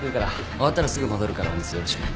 終わったらすぐ戻るからお店よろしくね。